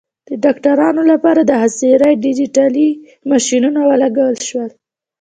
د ډاکټرانو لپاره د حاضرۍ ډیجیټلي ماشینونه ولګول شول.